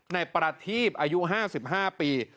ในประทีบอายุ๕๕ปี